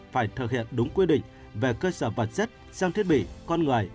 phải thực hiện đúng quy định về cơ sở vật chất trang thiết bị con người